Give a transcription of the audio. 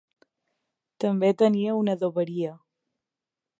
També tenia una adoberia.